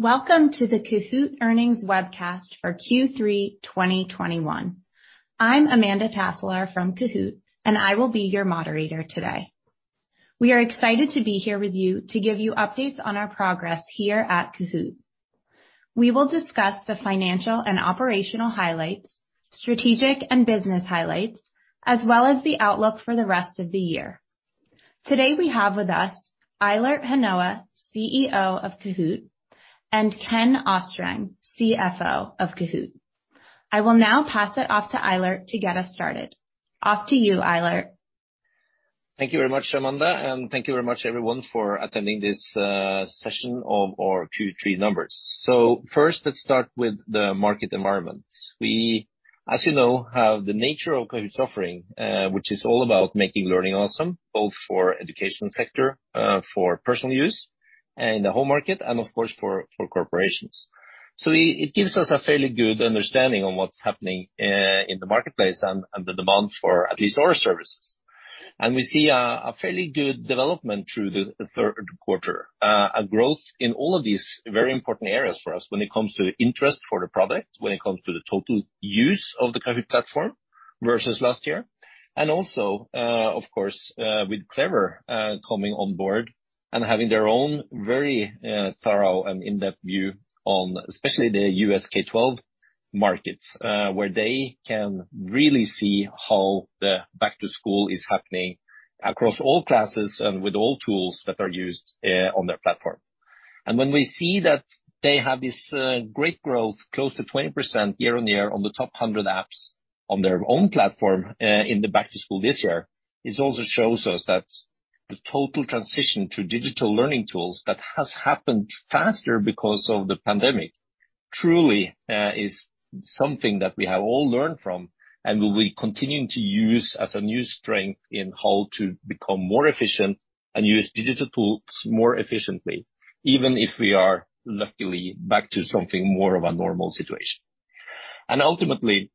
Welcome to the Kahoot! earnings webcast for Q3 2021. I'm Amanda Taselaar from Kahoot!, and I will be your moderator today. We are excited to be here with you to give you updates on our progress here at Kahoot!. We will discuss the financial and operational highlights, strategic and business highlights, as well as the outlook for the rest of the year. Today, we have with us Eilert Hanoa, CEO of Kahoot!, and Ken Østreng, CFO of Kahoot!. I will now pass it off to Eilert to get us started. Off to you, Eilert. Thank you very much, Amanda, and thank you very much everyone for attending this session of our Q3 numbers. First, let's start with the market environment. We, as you know, have the nature of Kahoot!'s offering, which is all about making learning awesome, both for education sector, for personal use in the home market and of course, for corporations. It gives us a fairly good understanding on what's happening in the marketplace and the demand for at least our services. We see a fairly good development through the third quarter. A growth in all of these very important areas for us when it comes to interest for the product, when it comes to the total use of the Kahoot! platform versus last year. And also, of course, with Clever coming on board and having their own very thorough and in-depth view on especially the U.S. K-12 markets, where they can really see how the back to school is happening across all classes and with all tools that are used on their platform. When we see that they have this, great growth, close to 20% year-on-year on the top 100 apps on their own platform, in the back to school this year, this also shows us that the total transition to digital learning tools that has happened faster because of the pandemic, truly, is something that we have all learned from and we will continue to use as a new strength in how to become more efficient and use digital tools more efficiently, even if we are luckily back to something more of a normal situation. Ultimately,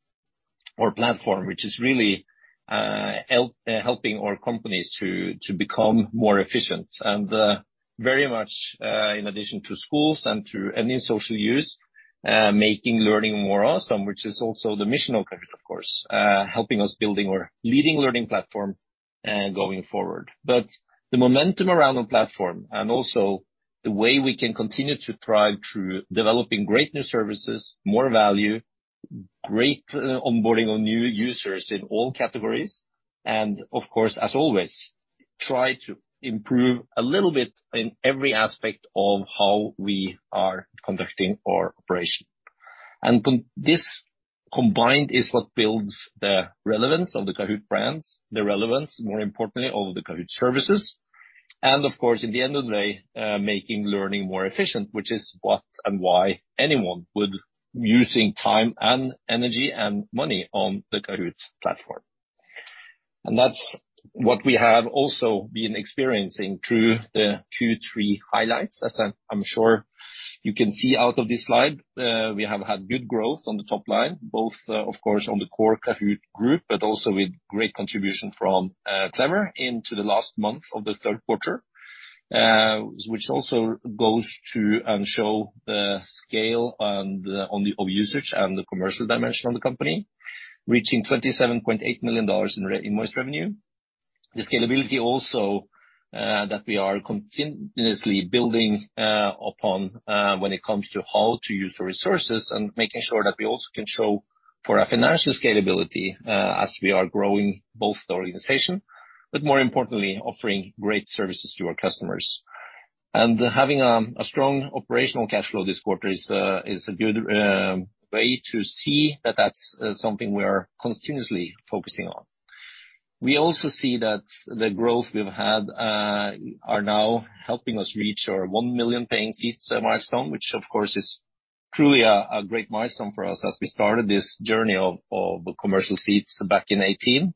our platform, which is really helping our companies to become more efficient and very much, in addition to schools and to any social use, making learning more awesome, which is also the mission of Kahoot!, of course, helping us building our leading learning platform going forward. The momentum around our platform and also the way we can continue to thrive through developing great new services, more value, great onboarding on new users in all categories, and of course, as always, try to improve a little bit in every aspect of how we are conducting our operation. This combined is what builds the relevance of the Kahoot! brands, the relevance, more importantly, of the Kahoot! services. Of course, at the end of the day, making learning more efficient, which is what and why anyone would use time and energy and money on the Kahoot! platform. That's what we have also been experiencing through the Q3 highlights. As I'm sure you can see from this slide, we have had good growth on the top line, both of course on the core Kahoot! group, but also with great contribution from Clever in the last month of the third quarter, which also goes to show the scale of usage and the commercial dimension of the company, reaching $27.8 million in recurring revenue. The scalability also that we are continuously building upon when it comes to how to use the resources and making sure that we also can show for our financial scalability as we are growing both the organization, but more importantly, offering great services to our customers. Having a strong operational cash flow this quarter is a good way to see that that's something we are continuously focusing on. We also see that the growth we've had are now helping us reach our 1 million paying seats milestone, which of course is truly a great milestone for us as we started this journey of commercial seats back in 2018.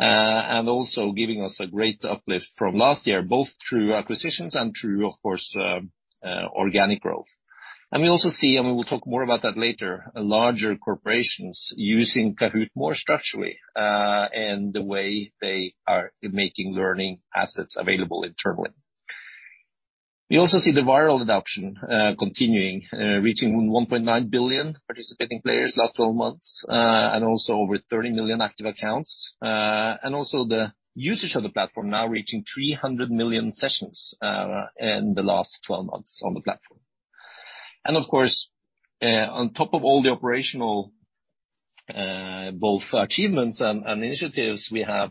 Also giving us a great uplift from last year, both through acquisitions and through, of course, organic growth. We also see, and we will talk more about that later, larger corporations using Kahoot! more structurally, in the way they are making learning assets available internally. We also see the viral adoption continuing, reaching 1.9 billion participating players last 12 months, and also over 30 million active accounts, and also the usage of the platform now reaching 300 million sessions, in the last 12 months on the platform. Of course, on top of all the operational both achievements and initiatives we have,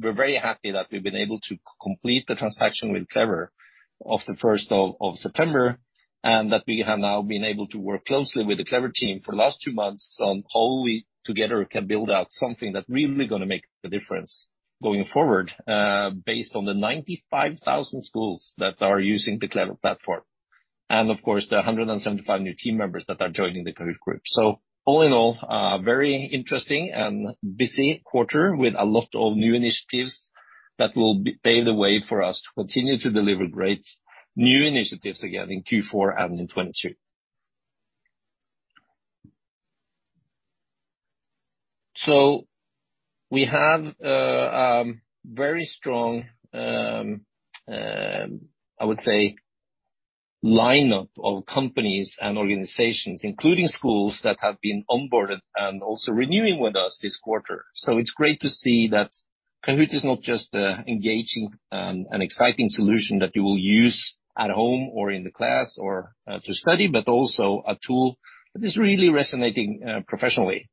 we're very happy that we've been able to complete the transaction with Clever on the first of September, and that we have now been able to work closely with the Clever team for the last two months on how we together can build out something that really gonna make the difference going forward, based on the 95,000 schools that are using the Clever platform. Of course, the 175 new team members that are joining the Kahoot! group. All in all, a very interesting and busy quarter with a lot of new initiatives that pave the way for us to continue to deliver great new initiatives again in Q4 and in 2022. We have very strong, I would say, lineup of companies and organizations, including schools that have been onboarded and also renewing with us this quarter. It's great to see that Kahoot! is not just engaging and exciting solution that you will use at home or in the class or to study, but also a tool that is really resonating professionally.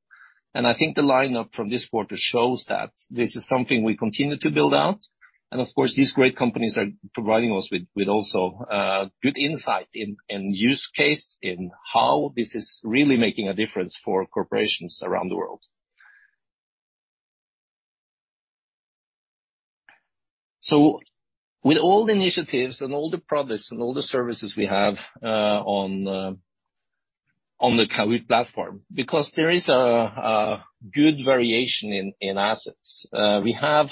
I think the lineup from this quarter shows that this is something we continue to build out. Of course, these great companies are providing us with good insight into use cases in how this is really making a difference for corporations around the world. With all the initiatives and all the products and all the services we have on the Kahoot! platform, because there is a good variation in assets, we have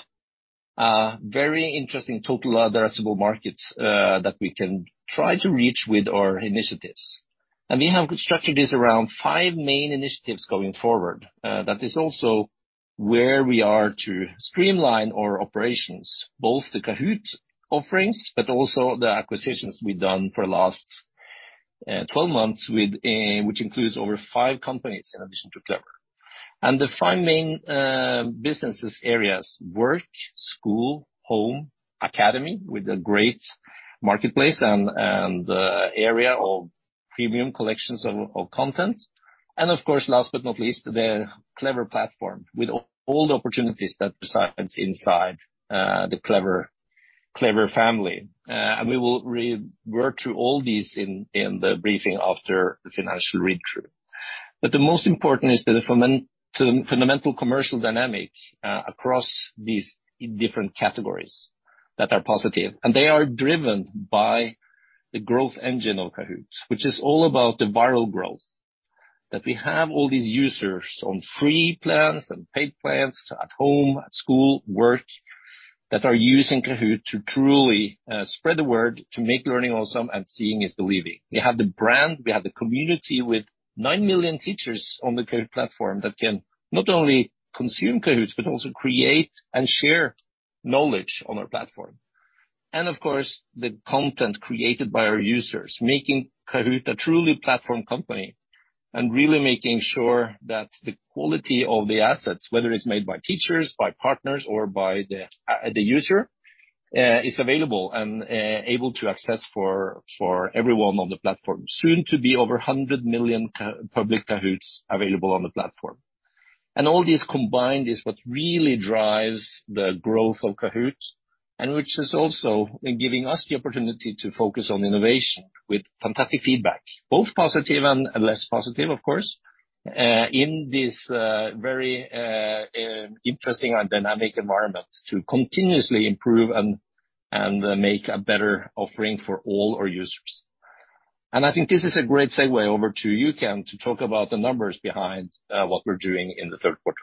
a very interesting total addressable market that we can try to reach with our initiatives. We have structured this around five main initiatives going forward. That is also where we are to streamline our operations, both the Kahoot! offerings, but also the acquisitions we've done for the last 12 months, which includes over five companies in addition to Clever. The five main business areas work, school, home, academy, with a great marketplace and area of premium collections of content. Of course, last but not least, the Clever platform with all the opportunities that resides inside the Clever family. We will walk through all these in the briefing after the financial read-through. The most important is the fundamental commercial dynamic across these different categories that are positive, and they are driven by the growth engine of Kahoot!, which is all about the viral growth. We have all these users on free plans and paid plans at home, at school, work, that are using Kahoot! to truly spread the word to make learning awesome and seeing is believing. We have the brand, we have the community with 9 million teachers on the Kahoot! Platform that can not only consume Kahoot!, but also create and share knowledge on our platform. Of course, the content created by our users, making Kahoot! a truly platform company and really making sure that the quality of the assets, whether it's made by teachers, by partners or by the user, is available and able to access for everyone on the platform. Soon to be over 100 million public kahoots available on the platform. All this combined is what really drives the growth of Kahoot!, and which is also giving us the opportunity to focus on innovation with fantastic feedback, both positive and less positive, of course, in this very interesting and dynamic environment to continuously improve and make a better offering for all our users. I think this is a great segue over to you, Ken, to talk about the numbers behind what we're doing in the third quarter.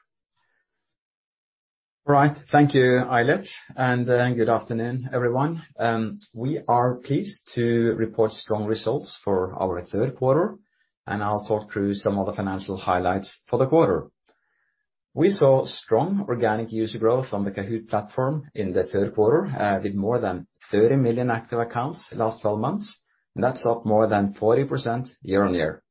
Thank you, Eilert, and good afternoon, everyone. We are pleased to report strong results for our third quarter, and I'll talk through some of the financial highlights for the quarter. We saw strong organic user growth on the Kahoot! platform in the third quarter with more than 30 million active accounts in last 12 months, and that's up more than 40% year-on-year.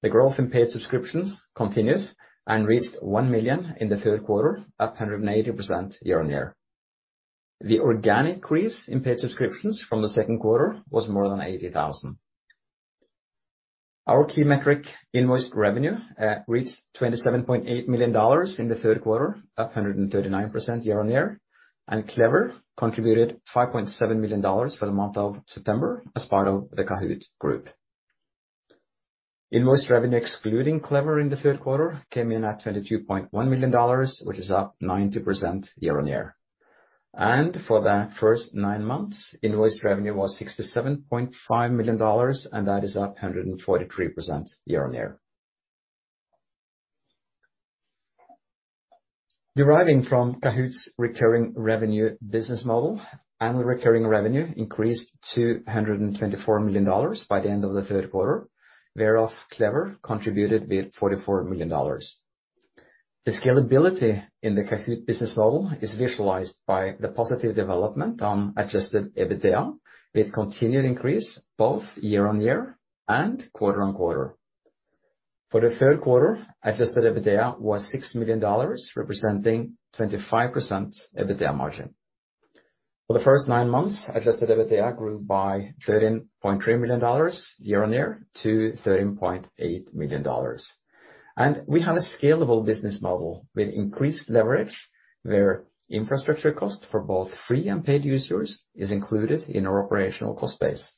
The growth in paid subscriptions continued and reached 1 million in the third quarter, up 180% year-on-year. The organic increase in paid subscriptions from the second quarter was more than 80,000. Our key metric, invoiced revenue, reached $27.8 million in the third quarter, up 139% year-on-year, and Clever contributed $5.7 million for the month of September as part of the Kahoot! group. Invoiced revenue excluding Clever in the third quarter came in at $22.1 million, which is up 90% year-on-year. For the first nine months, invoiced revenue was $67.5 million, and that is up 143% year-on-year. Deriving from Kahoot!'s recurring revenue business model, annual recurring revenue increased to $124 million by the end of the third quarter, whereof Clever contributed with $44 million. The scalability in the Kahoot! business model is visualized by the positive development on adjusted EBITDA, with continued increase both year-on-year and quarter-on-quarter. For the third quarter, adjusted EBITDA was $6 million, representing 25% EBITDA margin. For the first nine months, adjusted EBITDA grew by $13.3 million year-on-year to $13.8 million. We have a scalable business model with increased leverage, where infrastructure cost for both free and paid users is included in our operational cost base.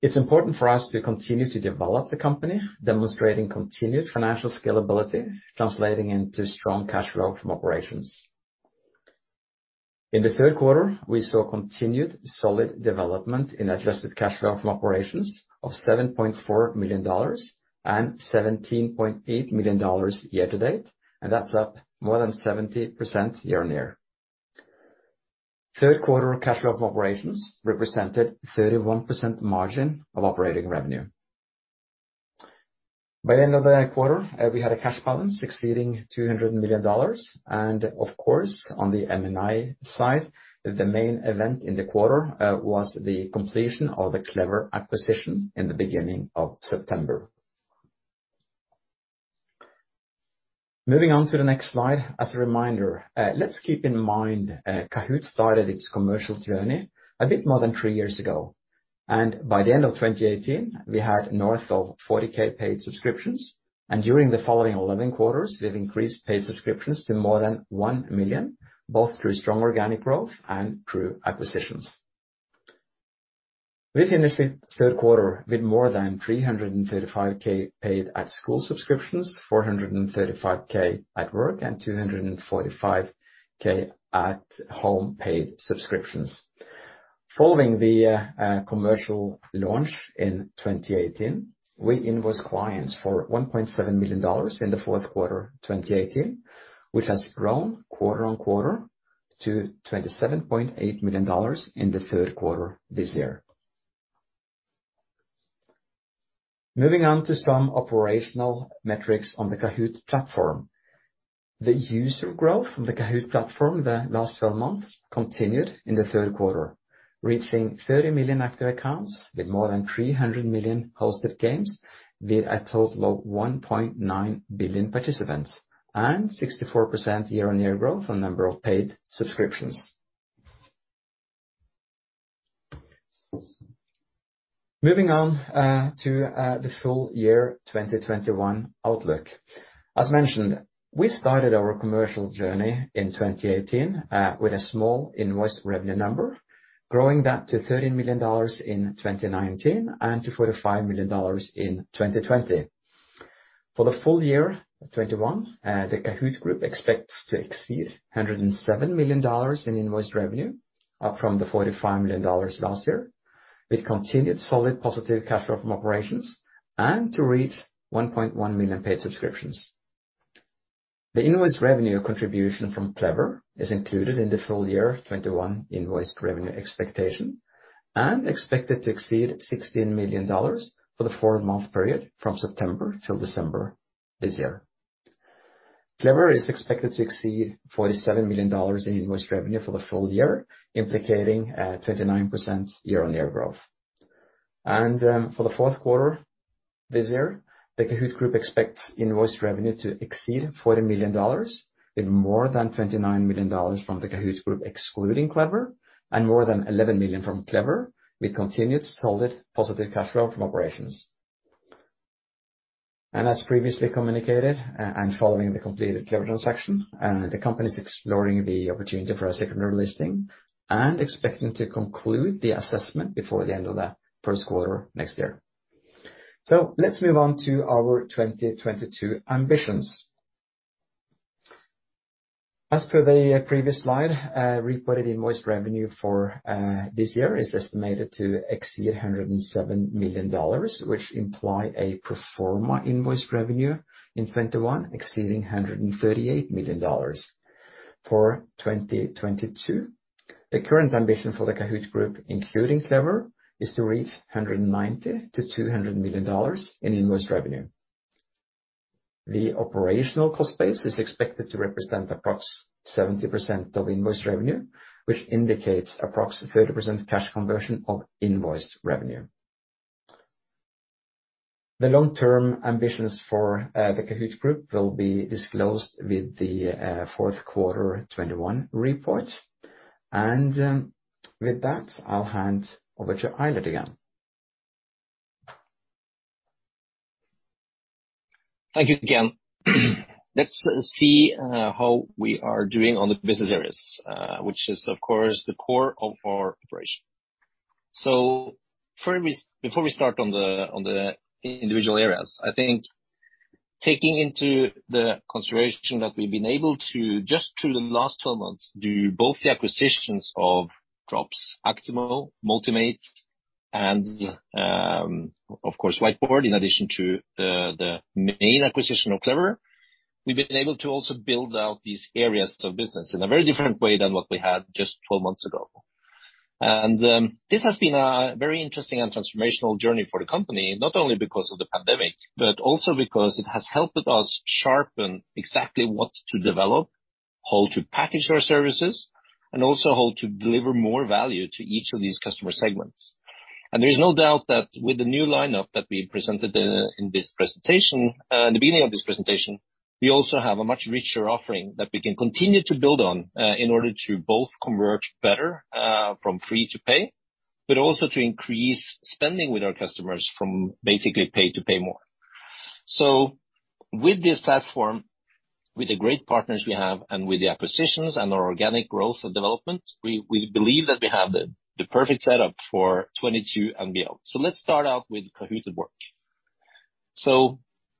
It's important for us to continue to develop the company, demonstrating continued financial scalability, translating into strong cash flow from operations. In the third quarter, we saw continued solid development in adjusted cash flow from operations of $7.4 million and $17.8 million year to date, and that's up more than 70% year-on-year. Third quarter cash flow from operations represented 31% margin of operating revenue. By end of the quarter, we had a cash balance exceeding $200 million. Of course, on the M&A side, the main event in the quarter was the completion of the Clever acquisition in the beginning of September. Moving on to the next slide, as a reminder, let's keep in mind, Kahoot! started its commercial journey a bit more than three years ago. By the end of 2018, we had north of 40,000 paid subscriptions, and during the following 11 quarters, we've increased paid subscriptions to more than 1 million, both through strong organic growth and through acquisitions. We finished the third quarter with more than 335,000 paid at school subscriptions, 435,000 at work, and 245,000 at home paid subscriptions. Following the commercial launch in 2018, we invoiced clients for $1.7 million in the fourth quarter 2018, which has grown quarter-on-quarter to $27.8 million in the third quarter this year. Moving on to some operational metrics on the Kahoot! platform. The user growth on the Kahoot! platform the last 12 months continued in the third quarter, reaching 30 million active accounts with more than 300 million hosted games, with a total of 1.9 billion participants and 64% year-on-year growth on number of paid subscriptions. Moving on to the full year 2021 outlook. As mentioned, we started our commercial journey in 2018 with a small invoiced revenue number, growing that to $13 million in 2019 and to $45 million in 2020. For the full year of 2021, the Kahoot! group expects to exceed $107 million in invoiced revenue, up from the $45 million last year, with continued solid positive cash flow from operations and to reach 1.1 million paid subscriptions. The invoiced revenue contribution from Clever is included in the full year 2021 invoiced revenue expectation and expected to exceed $16 million for the four-month period from September till December this year. Clever is expected to exceed $47 million in invoiced revenue for the full year, implicating 29% year-on-year growth. For the fourth quarter this year, the Kahoot! group expects invoiced revenue to exceed $40 million with more than $29 million from the Kahoot! group excluding Clever and more than $11 million from Clever with continued solid positive cash flow from operations. As previously communicated and following the completed Clever transaction, the company is exploring the opportunity for a secondary listing and expecting to conclude the assessment before the end of the first quarter next year. Let's move on to our 2022 ambitions. As per the previous slide, reported invoiced revenue for this year is estimated to exceed $107 million, which implies a pro forma invoiced revenue in 2021 exceeding $138 million. For 2022, the current ambition for the Kahoot! group, including Clever, is to reach $190 million-$200 million in invoiced revenue. The operational cost base is expected to represent approximately 70% of invoiced revenue, which indicates approximately 30% cash conversion of invoiced revenue. The long-term ambitions for the Kahoot! group will be disclosed with the fourth quarter 2021 report. With that, I'll hand over to Eilert again. Thank you, Ken. Let's see, how we are doing on the business areas, which is of course the core of our operation. First, before we start on the individual areas, I think taking into consideration that we've been able to, just through the last 12 months, do both the acquisitions of Drops, Actimo, Motimate and, of course, Whiteboard, in addition to the main acquisition of Clever, we've been able to also build out these areas of business in a very different way than what we had just 12 months ago. This has been a very interesting and transformational journey for the company, not only because of the pandemic, but also because it has helped us sharpen exactly what to develop, how to package our services, and also how to deliver more value to each of these customer segments. There's no doubt that with the new lineup that we presented in this presentation, in the beginning of this presentation, we also have a much richer offering that we can continue to build on, in order to both convert better, from free to pay, but also to increase spending with our customers from basically pay to pay more. With this platform, with the great partners we have, and with the acquisitions and our organic growth and development, we believe that we have the perfect setup for 2022 and beyond. Let's start out with Kahoot! at Work.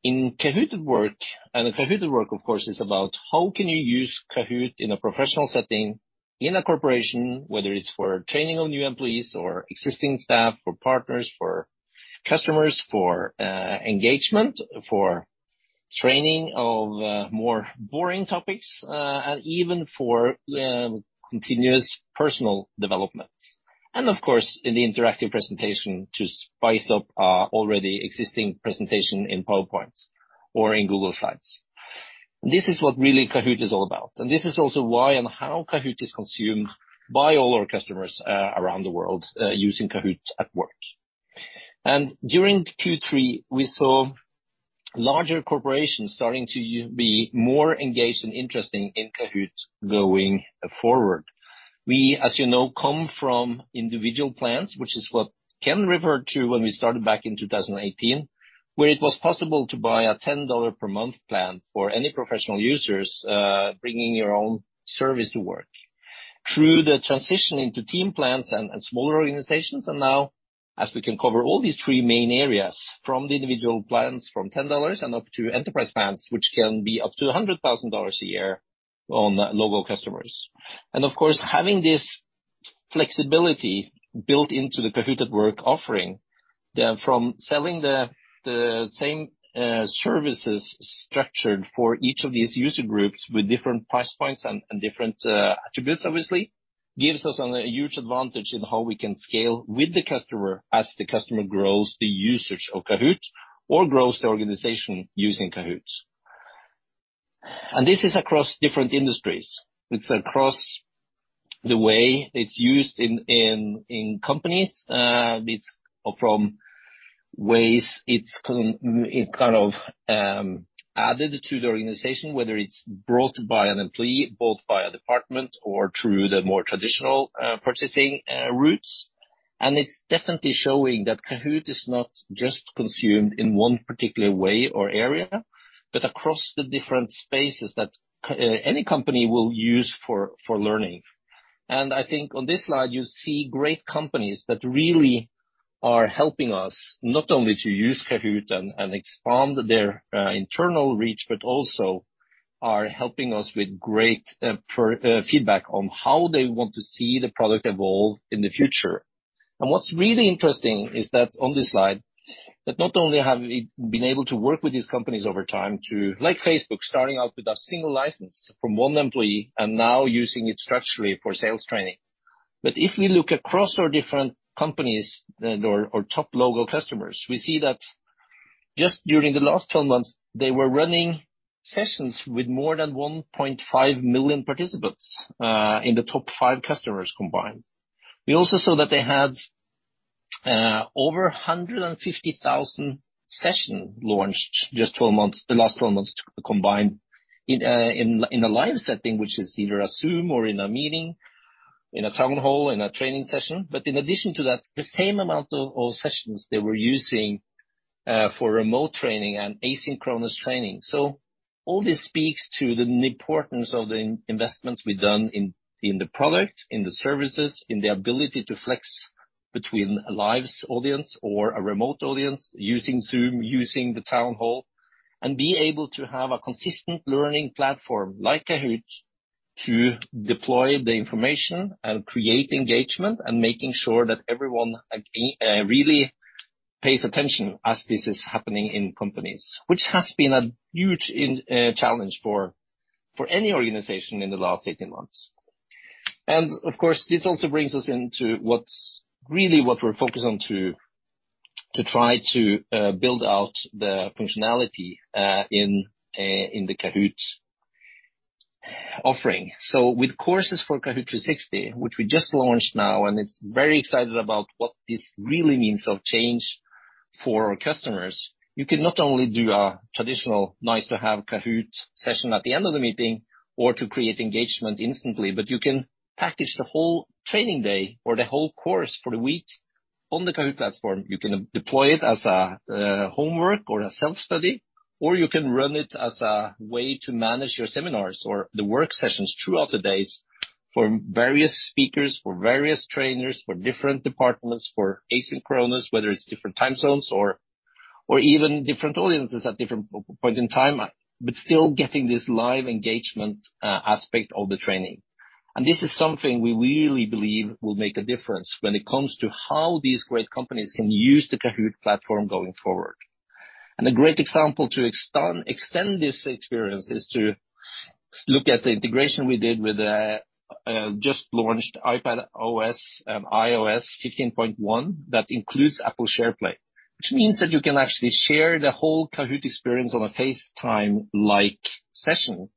In Kahoot! at Work, of course, is about how can you use Kahoot! in a professional setting in a corporation, whether it's for training of new employees or existing staff, for partners, for customers, for engagement, for training of more boring topics, and even for continuous personal development. Of course, in the interactive presentation to spice up already existing presentation in PowerPoint or in Google Slides. This is what really Kahoot! is all about, and this is also why and how Kahoot! is consumed by all our customers around the world using Kahoot! at Work. During Q3, we saw larger corporations starting to be more engaged and interested in Kahoot! going forward. We, as you know, come from individual plans, which is what Ken referred to when we started back in 2018, where it was possible to buy a $10 per month plan for any professional users, bringing your own service to work. Through the transition into team plans and smaller organizations, and now as we can cover all these three main areas, from the individual plans from $10 and up to enterprise plans, which can be up to $100,000 a year on logo customers. Of course, having this flexibility built into the Kahoot! at Work offering, from selling the same services structured for each of these user groups with different price points and different attributes, obviously gives us a huge advantage in how we can scale with the customer as the customer grows the usage of Kahoot! or grows the organization using Kahoot!. This is across different industries. It's across the way it's used in companies, it kind of added to the organization, whether it's brought by an employee, both by a department or through the more traditional purchasing routes. It's definitely showing that Kahoot! is not just consumed in one particular way or area, but across the different spaces that any company will use for learning. I think on this slide, you see great companies that really are helping us not only to use Kahoot! and expand their internal reach, but also are helping us with great feedback on how they want to see the product evolve in the future. What's really interesting is that on this slide, not only have we been able to work with these companies over time, like Facebook, starting out with a single license from one employee and now using it structurally for sales training. If we look across our different companies or our top logo customers, we see that just during the last 12 months, they were running sessions with more than 1.5 million participants in the top five customers combined. We also saw that they had over 150,000 sessions launched in the last 12 months combined in a live setting, which is either a Zoom or in a meeting, in a town hall, in a training session. In addition to that, the same amount of sessions they were using for remote training and asynchronous training. All this speaks to the importance of the investments we've done in the product, in the services, in the ability to flex between a live audience or a remote audience using Zoom, using the town hall, and be able to have a consistent learning platform like Kahoot! to deploy the information and create engagement and making sure that everyone really pays attention as this is happening in companies. Which has been a huge challenge for any organization in the last 18 months. Of course, this also brings us into what we're really focused on to try to build out the functionality in the Kahoot! offering. With courses for Kahoot! 360, which we just launched now, and we're very excited about what this really means of change for our customers, you can not only do a traditional nice to have Kahoot! session at the end of the meeting or to create engagement instantly, but you can package the whole training day or the whole course for the week on the Kahoot! platform. You can deploy it as a homework or a self-study, or you can run it as a way to manage your seminars or the work sessions throughout the days for various speakers, for various trainers, for different departments, for asynchronous, whether it's different time zones or even different audiences at different point in time, but still getting this live engagement aspect of the training. This is something we really believe will make a difference when it comes to how these great companies can use the Kahoot! platform going forward. A great example to extend this experience is to look at the integration we did with the just launched iPadOS iOS 15.1 that includes Apple SharePlay. Which means that you can actually share the whole Kahoot! experience on a FaceTime-like session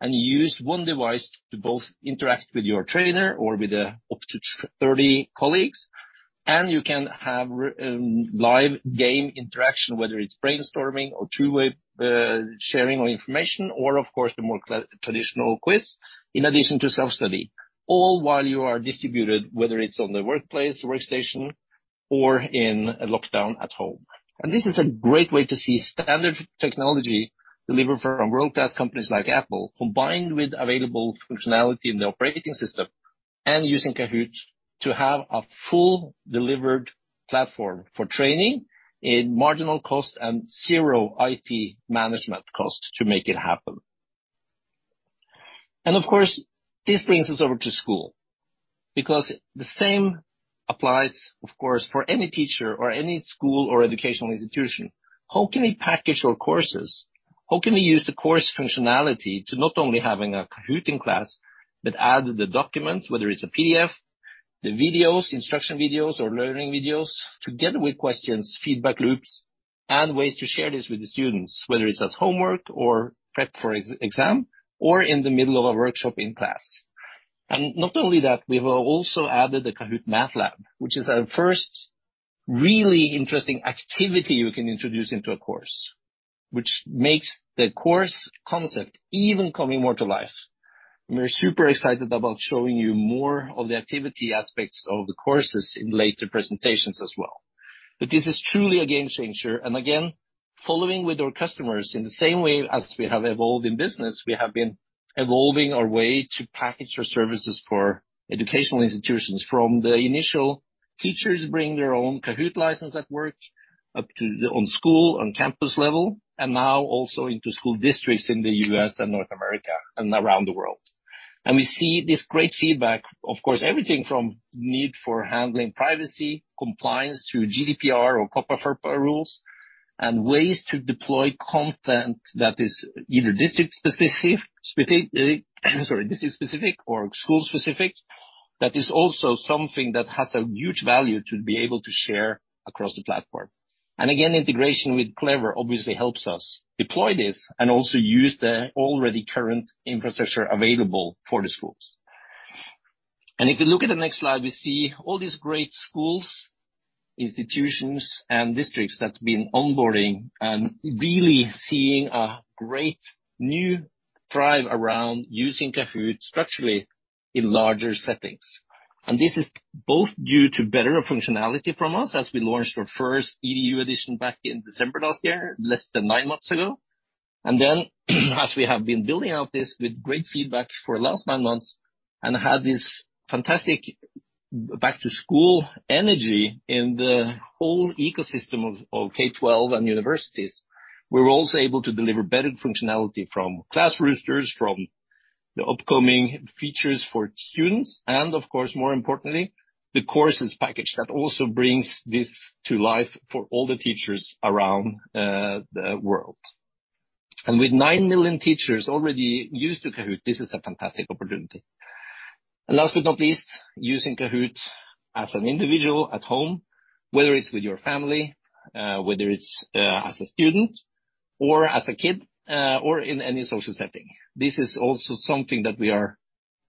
and use one device to both interact with your trainer or with up to 30 colleagues. You can have live game interaction, whether it's brainstorming or two-way sharing of information or of course, the more traditional quiz, in addition to self-study, all while you are distributed, whether it's on the workplace, workstation, or in a lockdown at home. This is a great way to see standard technology delivered from world-class companies like Apple, combined with available functionality in the operating system and using Kahoot! to have a full delivered platform for training in marginal cost and zero IT management cost to make it happen. Of course, this brings us over to school because the same applies, of course, for any teacher or any school or educational institution. How can we package our courses? How can we use the course functionality to not only having a Kahoot! in class, but add the documents, whether it's a PDF, the videos, instruction videos, or learning videos, together with questions, feedback loops, and ways to share this with the students, whether it's as homework or prep for exam or in the middle of a workshop in class. Not only that, we have also added the Kahoot! Math Labs, which is our first really interesting activity you can introduce into a course, which makes the course concept even coming more to life. We're super excited about showing you more of the activity aspects of the courses in later presentations as well. This is truly a game changer. Again, following with our customers in the same way as we have evolved in business, we have been evolving our way to package our services for educational institutions from the initial teachers bring their own Kahoot! license at work up to on school, on campus level, and now also into school districts in the U.S. and North America and around the world. We see this great feedback, of course, everything from need for handling privacy, compliance to GDPR or COPPA rules, and ways to deploy content that is either district-specific or school-specific. That is also something that has a huge value to be able to share across the platform. Integration with Clever obviously helps us deploy this and also use the already current infrastructure available for the schools. If you look at the next slide, we see all these great schools, institutions, and districts that have been onboarding and really seeing a great new drive around using Kahoot! structurally in larger settings. This is both due to better functionality from us as we launched our first Kahoot! EDU edition back in December last year, less than nine months ago. Then as we have been building out this with great feedback for the last nine months and had this fantastic back-to-school energy in the whole ecosystem of K-12 and universities, we were also able to deliver better functionality from class rosters, from the upcoming features for students, and of course, more importantly, the courses package that also brings this to life for all the teachers around the world. With 9 million teachers already used to Kahoot!, this is a fantastic opportunity. Last but not least, using Kahoot! as an individual at home, whether it's with your family, whether it's as a student or as a kid, or in any social setting. This is also something that we are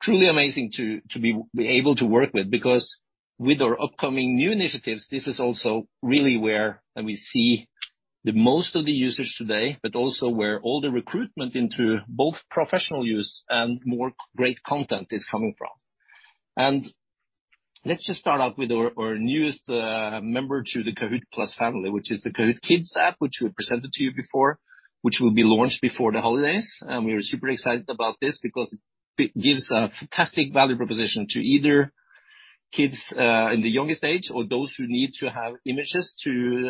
truly amazing to be able to work with because with our upcoming new initiatives, this is also really where we see the most of the users today, but also where all the recruitment into both professional use and more great content is coming from. Let's just start out with our newest member to the Kahoot!+ family, which is the Kahoot! Kids app, which we presented to you before, which will be launched before the holidays. We are super excited about this because it gives a fantastic value proposition to either kids in the youngest age or those who need to have images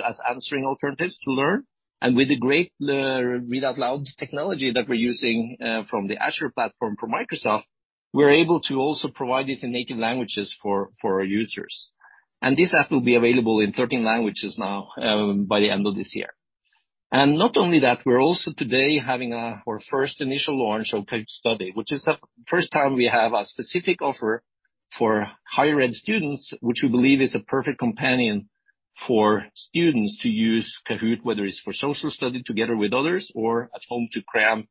as answering alternatives to learn. With the great read out loud technology that we're using from the Azure platform from Microsoft, we're able to also provide this in native languages for our users. This app will be available in 13 languages now by the end of this year. Not only that, we're also today having our first initial launch of Kahoot!+ Study, which is the first time we have a specific offer for higher ed students, which we believe is a perfect companion for students to use Kahoot!, whether it's for social study together with others or at home to cram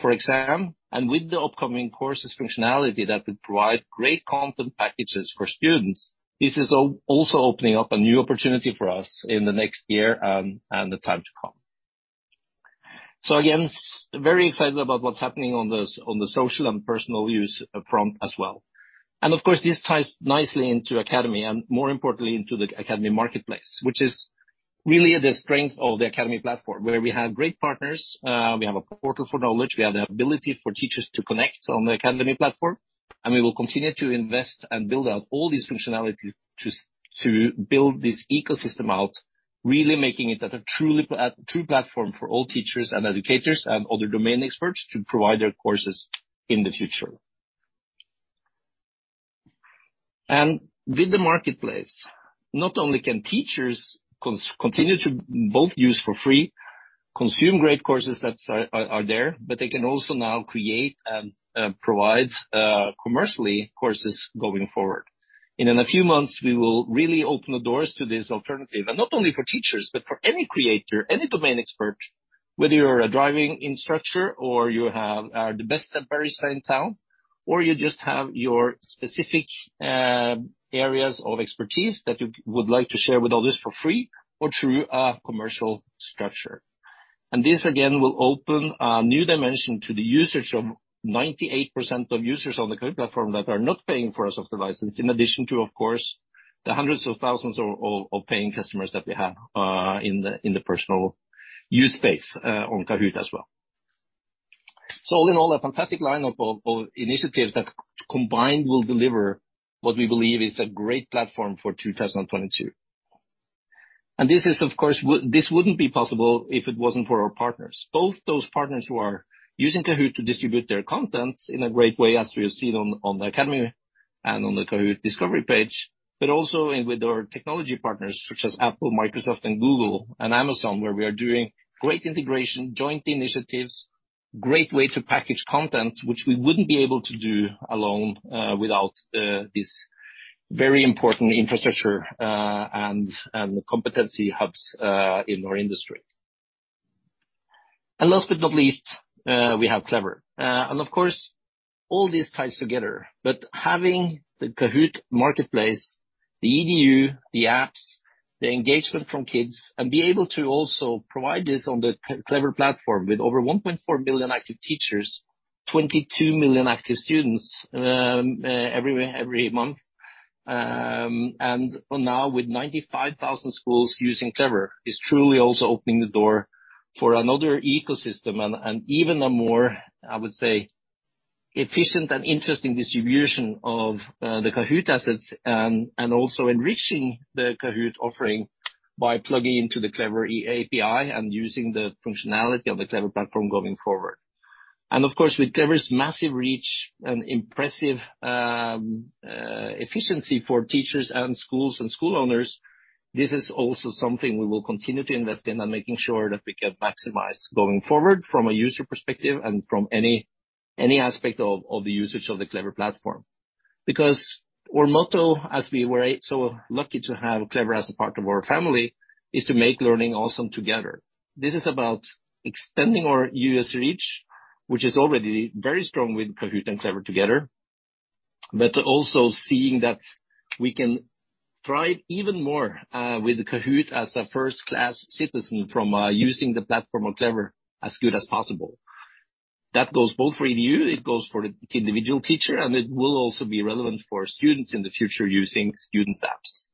for exam. With the upcoming courses functionality that will provide great content packages for students, this is also opening up a new opportunity for us in the next year, and the time to come. Again, very excited about what's happening on the social and personal use front as well. Of course, this ties nicely into Academy, and more importantly, into the Academy Marketplace, which is really the strength of the Academy platform, where we have great partners, we have a portal for knowledge, we have the ability for teachers to connect on the Academy platform, and we will continue to invest and build out all these functionality to build this ecosystem out, really making it a true platform for all teachers and educators and other domain experts to provide their courses in the future. With the Marketplace, not only can teachers continue to both use for free, consume great courses that are there, but they can also now create and provide commercially courses going forward. In a few months, we will really open the doors to this alternative, and not only for teachers, but for any creator, any domain expert, whether you're a driving instructor or you have the best barista in town, or you just have your specific areas of expertise that you would like to share with others for free or through a commercial structure. This, again, will open a new dimension to 98% of users on the Kahoot! platform that are not paying for a software license, in addition to, of course, the hundreds of thousands of paying customers that we have in the personal use space on Kahoot! as well. All in all, a fantastic lineup of initiatives that combined will deliver what we believe is a great platform for 2022. This wouldn't be possible if it wasn't for our partners. Both those partners who are using Kahoot! to distribute their content in a great way, as we have seen on the academy and on the Kahoot! discovery page, but also in with our technology partners such as Apple, Microsoft, and Google, and Amazon, where we are doing great integration, joint initiatives, great way to package content, which we wouldn't be able to do alone, without this very important infrastructure, and competency hubs in our industry. Last but not least, we have Clever. Of course, all this ties together. Having the Kahoot! Marketplace, the EDU, the apps, the engagement from kids, and be able to also provide this on the Clever platform with over 1.4 million active teachers, 22 million active students, every month, and now with 95,000 schools using Clever is truly also opening the door for another ecosystem and even a more, I would say, efficient and interesting distribution of the Kahoot! assets and also enriching the Kahoot! offering by plugging into the Clever API and using the functionality of the Clever platform going forward. Of course, with Clever's massive reach and impressive efficiency for teachers and schools and school owners, this is also something we will continue to invest in and making sure that we can maximize going forward from a user perspective and from any aspect of the usage of the Clever platform. Because our motto, as we were so lucky to have Clever as a part of our family, is to make learning awesome together. This is about extending our U.S. reach, which is already very strong with Kahoot! and Clever together, but also seeing that we can thrive even more with Kahoot! as a first-class citizen from using the platform of Clever as good as possible. That goes both for EDU, it goes for the individual teacher, and it will also be relevant for students in the future using student apps.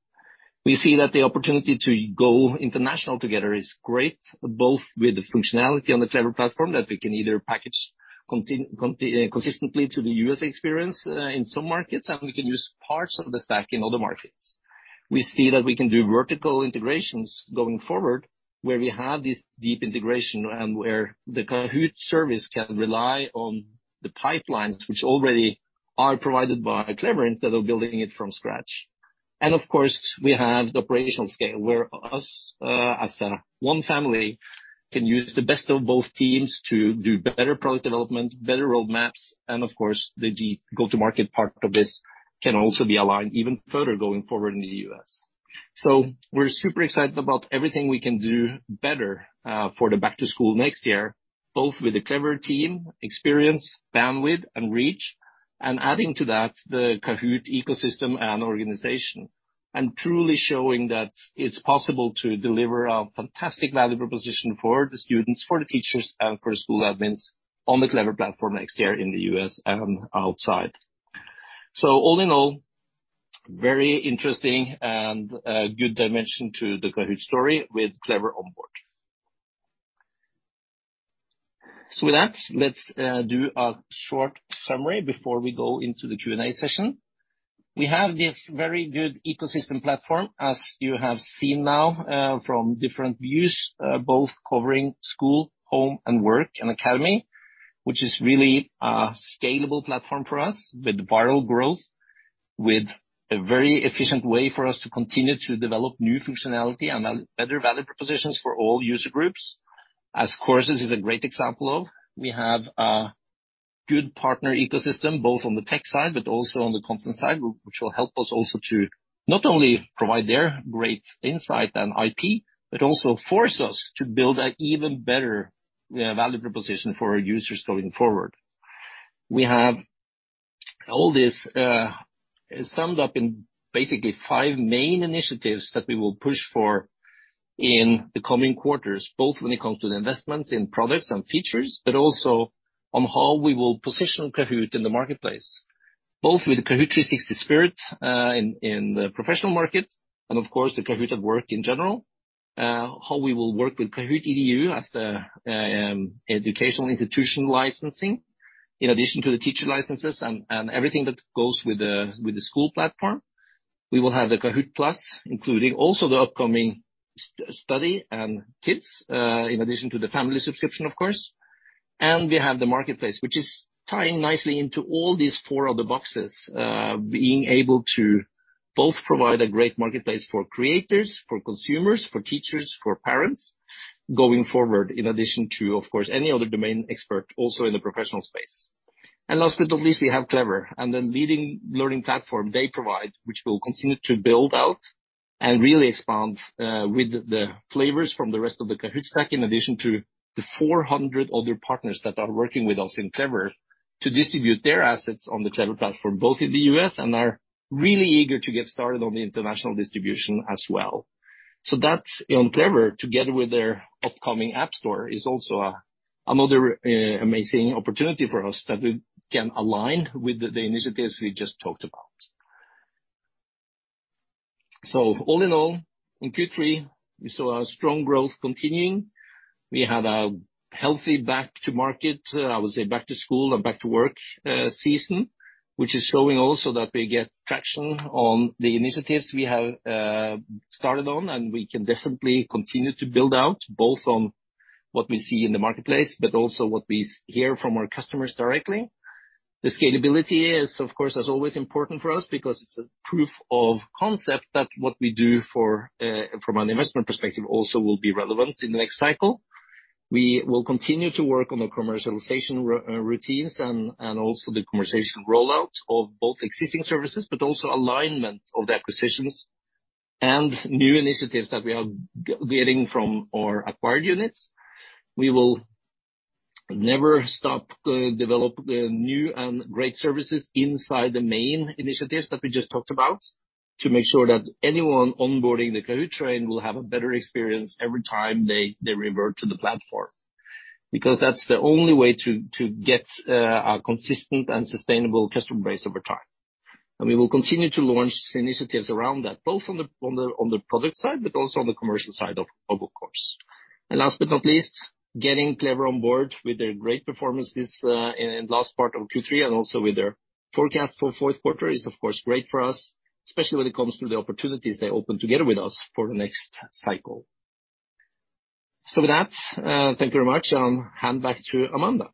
We see that the opportunity to go international together is great, both with the functionality on the Clever platform, that we can either package consistently to the U.S. experience in some markets, and we can use parts of the stack in other markets. We see that we can do vertical integrations going forward, where we have this deep integration and where the Kahoot! service can rely on the pipelines which already are provided by Clever instead of building it from scratch. Of course, we have the operational scale, where us, as, one family can use the best of both teams to do better product development, better roadmaps, and of course, the go-to-market part of this can also be aligned even further going forward in the U.S. We're super excited about everything we can do better for the back-to-school next year, both with the Clever team, experience, bandwidth, and reach, and adding to that the Kahoot! ecosystem and organization. Truly showing that it's possible to deliver a fantastic valuable position for the students, for the teachers, and for school admins on the Clever platform next year in the U.S. and outside. All in all, very interesting and good dimension to the Kahoot! story with Clever on board. With that, let's do a short summary before we go into the Q&A session. We have this very good ecosystem platform, as you have seen now, from different views, both covering school, home, and work, and academy, which is really a scalable platform for us with viral growth, with a very efficient way for us to continue to develop new functionality and a better value propositions for all user groups, as Courses is a great example of. We have a good partner ecosystem, both on the tech side, but also on the content side, which will help us also to not only provide their great insight and IP, but also force us to build an even better, value proposition for our users going forward. We have all this summed up in basically five main initiatives that we will push for in the coming quarters, both when it comes to the investments in products and features, but also on how we will position Kahoot! in the marketplace. Both with Kahoot! 360 Spirit in the professional market and of course, the Kahoot! at Work in general, how we will work with Kahoot! EDU as the educational institution licensing, in addition to the teacher licenses and everything that goes with the school platform. We will have the Kahoot!+, including also the upcoming Kahoot!+ Study and Kahoot! Kids, in addition to the Family subscription, of course. We have the Marketplace, which is tying nicely into all these four other boxes, being able to both provide a great marketplace for creators, for consumers, for teachers, for parents going forward, in addition to, of course, any other domain expert also in the professional space. Last but not least, we have Clever and the leading learning platform they provide, which we'll continue to build out and really expand, with the flavors from the rest of the Kahoot! stack, in addition to the 400 other partners that are working with us in Clever to distribute their assets on the Clever platform, both in the U.S. and are really eager to get started on the international distribution as well. That's Clever, together with their upcoming app store, is also another amazing opportunity for us that we can align with the initiatives we just talked about. All in all, in Q3, we saw our strong growth continuing. We had a healthy back to market, I would say back to school or back to work, season, which is showing also that we get traction on the initiatives we have started on, and we can definitely continue to build out, both on what we see in the marketplace, but also what we hear from our customers directly. The scalability is, of course, as always, important for us because it's a proof of concept that what we do from an investment perspective also will be relevant in the next cycle. We will continue to work on the commercialization routines and also the commercialization rollout of both existing services, but also alignment of the acquisitions and new initiatives that we are getting from our acquired units. We will never stop develop the new and great services inside the main initiatives that we just talked about to make sure that anyone onboarding the Kahoot! train will have a better experience every time they revert to the platform, because that's the only way to get a consistent and sustainable customer base over time. We will continue to launch initiatives around that, both on the product side, but also on the commercial side of course. Last but not least, getting Clever on board with their great performances in last part of Q3 and also with their forecast for fourth quarter is of course great for us, especially when it comes to the opportunities they open together with us for the next cycle. With that, thank you very much. I'll hand back to Amanda.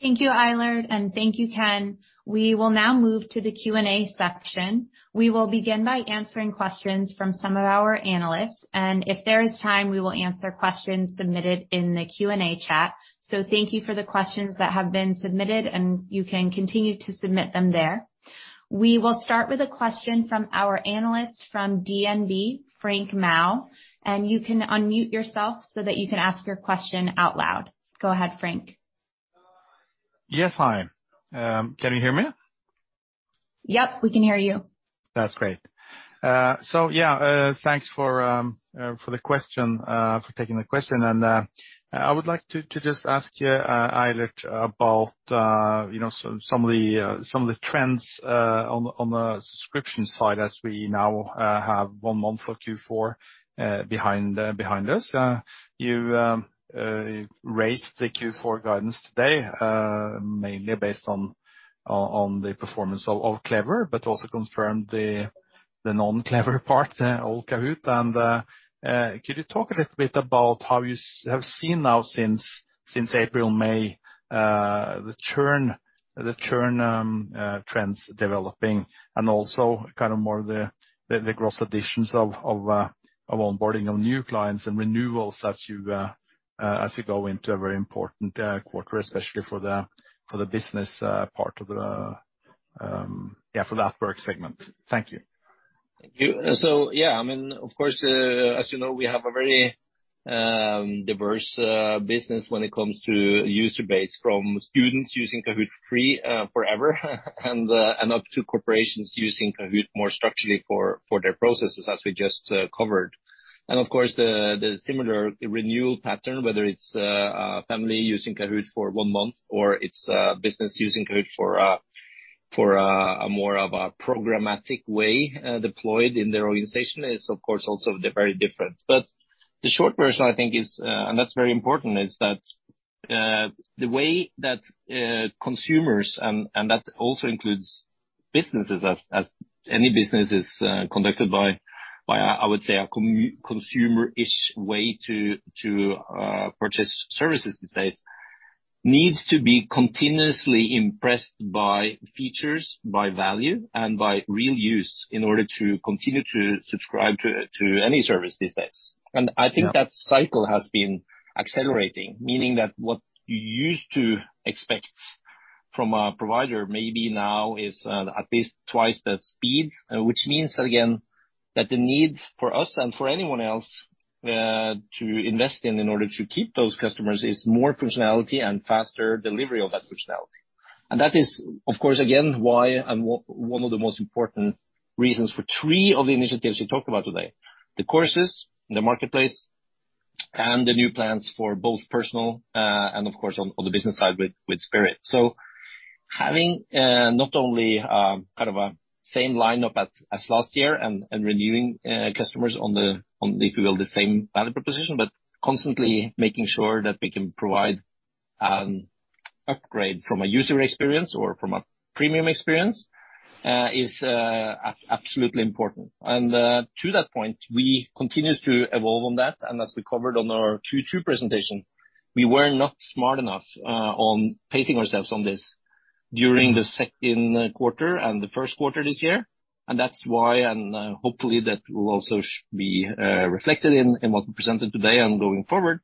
Thank you, Eilert, and thank you, Ken. We will now move to the Q&A section. We will begin by answering questions from some of our analysts, and if there is time, we will answer questions submitted in the Q&A chat. Thank you for the questions that have been submitted, and you can continue to submit them there. We will start with a question from our analyst from DNB, Frank Maaø, and you can unmute yourself so that you can ask your question out loud. Go ahead, Frank. Yes. Hi. Can you hear me? Yep, we can hear you. That's great. So yeah, thanks for taking the question. I would like to just ask you, Eilert, about you know, some of the trends on the subscription side as we now have one month of Q4 behind us. You raised the Q4 guidance today, mainly based on the performance of Clever, but also confirmed the non-Clever part of Kahoot!. Could you talk a little bit about how you have seen now since April, May, the churn trends developing and also kind of more the gross additions of onboarding of new clients and renewals as you go into a very important quarter, especially for the business part for that work segment? Thank you. Thank you. Yeah, I mean, of course, as you know, we have a very diverse business when it comes to user base, from students using Kahoot! free forever and up to corporations using Kahoot! more structurally for their processes, as we just covered. Of course, the similar renewal pattern, whether it's a family using Kahoot! for one month or it's a business using Kahoot! for a more of a programmatic way deployed in their organization is of course also very different. The short version, I think, is, and that's very important, is that the way that consumers and that also includes businesses as any business is conducted by a I would say a consumer-ish way to purchase services these days needs to be continuously impressed by features, by value, and by real use in order to continue to subscribe to any service these days. I think that cycle has been accelerating, meaning that what you used to expect from a provider maybe now is at least twice the speed, which means again that the need for us and for anyone else to invest in order to keep those customers is more functionality and faster delivery of that functionality. That is of course, again, why one of the most important reasons for 3 of the initiatives we talked about today, the courses, the Marketplace and the new plans for both personal, and of course on the business side with Spirit. Having not only kind of the same line as last year and renewing customers on the, if you will, the same value proposition, but constantly making sure that we can provide an upgrade from a user experience or from a premium experience is absolutely important. To that point, we continue to evolve on that. As we covered on our Q2 presentation, we were not smart enough on pacing ourselves on this during the second quarter and the first quarter this year. That's why hopefully that will also be reflected in what we presented today on going forward,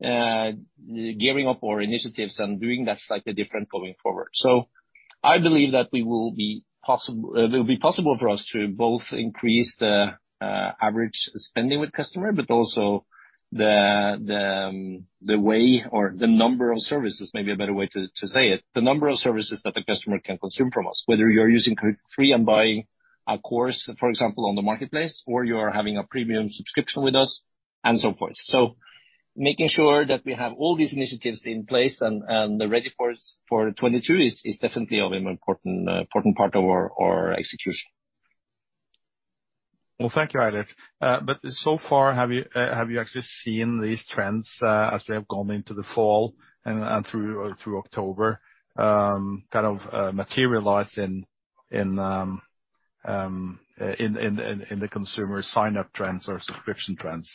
gearing up our initiatives and doing that slightly different going forward. I believe that it will be possible for us to both increase the average spending with customer, but also the way or the number of services may be a better way to say it, the number of services that the customer can consume from us, whether you're using Kahoot! free and buying a course, for example, on the Marketplace, or you are having a premium subscription with us and so forth. Making sure that we have all these initiatives in place and they're ready for 2022 is definitely an important part of our execution. Well, thank you, Eilert. So far, have you actually seen these trends as we have gone into the fall and through October kind of materialized in the consumer sign-up trends or subscription trends?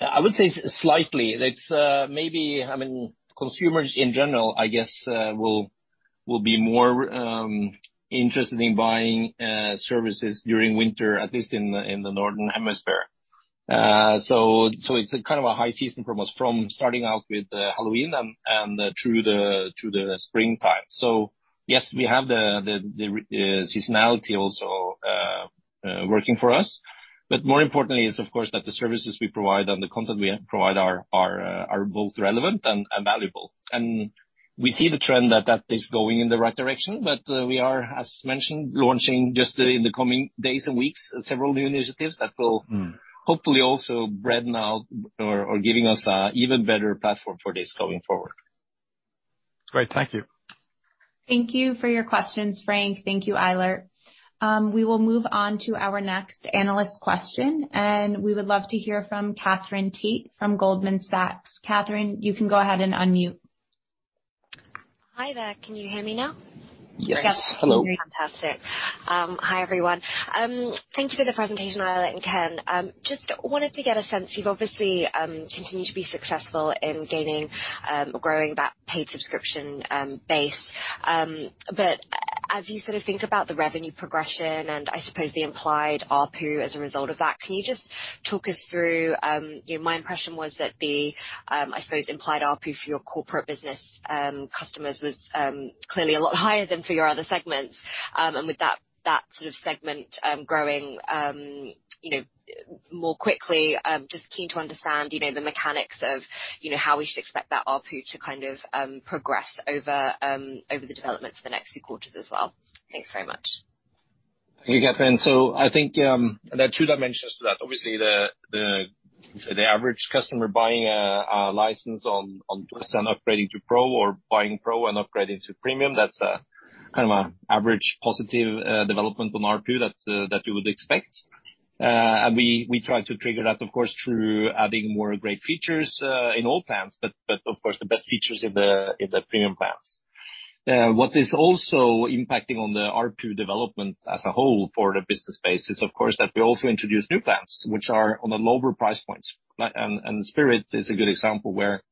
I would say slightly. It's maybe having consumers in general, I guess, will be more interested in buying services during winter, at least in the northern hemisphere. It's a kind of a high season for us from starting out with Halloween and through the springtime. Yes, we have the seasonality also working for us. More importantly is of course that the services we provide and the content we provide are both relevant and valuable. We see the trend that is going in the right direction. We are, as mentioned, launching just in the coming days and weeks, several new initiatives that will hopefully also broaden out or giving us a even better platform for this going forward. Great. Thank you. Thank you for your questions, Frank. Thank you, Eilert. We will move on to our next analyst question, and we would love to hear from Katherine Tait from Goldman Sachs. Katherine, you can go ahead and unmute. Hi there. Can you hear me now? Yes. Hello. Fantastic. Hi, everyone. Thank you for the presentation, Eilert and Ken. Just wanted to get a sense, you've obviously continued to be successful in gaining, growing that paid subscription base. But as you sort of think about the revenue progression and I suppose the implied ARPU as a result of that, can you just talk us through, you know, my impression was that the, I suppose, implied ARPU for your corporate business customers was clearly a lot higher than for your other segments. And with that sort of segment growing, you know, more quickly, just keen to understand, you know, the mechanics of, you know, how we should expect that ARPU to kind of progress over the development for the next few quarters as well. Thanks very much. Thank you, Katherine. I think there are two dimensions to that. Obviously, the sort of average customer buying a license and doing some upgrading to Pro or buying Pro and upgrading to Premium, that's a kind of average positive development on ARPU that you would expect. And we try to trigger that, of course, through adding more great features in all plans. But of course, the best features in the Premium plans. What is also impacting on the ARPU development as a whole for the business space is of course, that we also introduce new plans which are on the lower price points. Like, Spirit is a good example where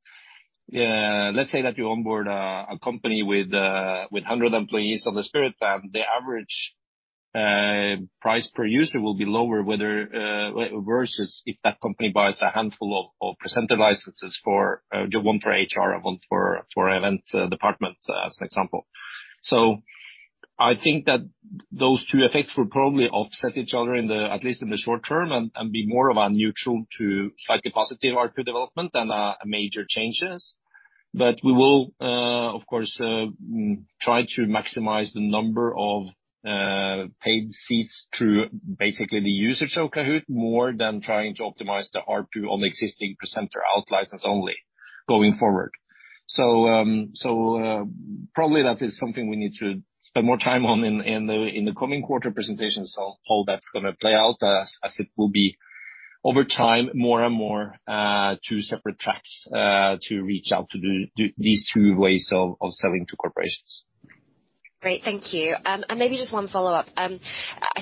let's say that you onboard a company with 100 employees on the Spirit plan. The average price per user will be lower, whether versus if that company buys a handful of presenter licenses for one for HR and one for event department as an example. I think that those two effects will probably offset each other, at least in the short term, and be more of a neutral to slightly positive ARPU development than a major changes. We will, of course, try to maximize the number of paid seats through basically the users of Kahoot! more than trying to optimize the ARPU on existing presenter licenses only going forward. Probably that is something we need to spend more time on in the coming quarter presentations on how that's gonna play out, as it will be over time, more and more two separate tracks to reach out to these two ways of selling to corporations. Great. Thank you. Maybe just one follow-up. I